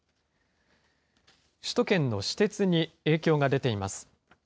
首都圏の私鉄に影響が出ています。